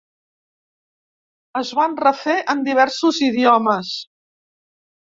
Es van refer en diversos idiomes.